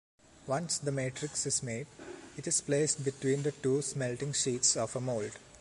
Once the matrix is made, it is placed between the two smelting sheets of a mold.